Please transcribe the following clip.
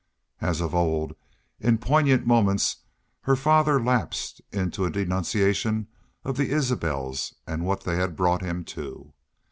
As of old, in poignant moments, her father lapsed at last into a denunciation of the Isbels and what they had brought him to.